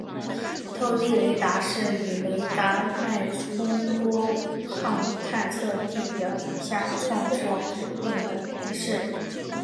透地雷达是以雷达脉冲波探测地表以下状况并的仪器。